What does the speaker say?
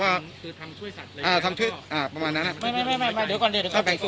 อ่าทำชื่ออ่าประมาณนั้นนะไม่ไม่ไม่ไม่เดี๋ยวก่อนเดี๋ยวเดี๋ยว